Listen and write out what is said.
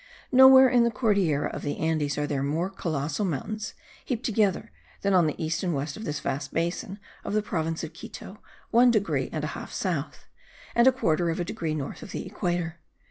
Nowhere in the Cordillera of the Andes are there more colossal mountains heaped together than on the east and west of this vast basin of the province of Quito, one degree and a half south, and a quarter of a degree north of the equator.